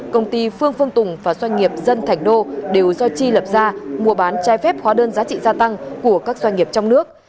công ty phương phương tùng và doanh nghiệp dân thành đô đều do chi lập ra mua bán trái phép hóa đơn giá trị gia tăng của các doanh nghiệp trong nước